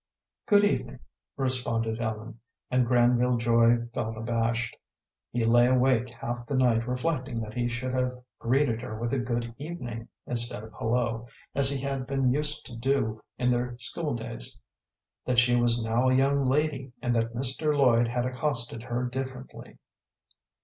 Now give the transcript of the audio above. "Good evening," responded Ellen, and Granville Joy felt abashed. He lay awake half the night reflecting that he should have greeted her with a "Good evening" instead of "Hullo," as he had been used to do in their school days; that she was now a young lady, and that Mr. Lloyd had accosted her differently.